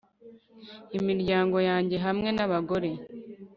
Imiryango yanjye hamwe nabagore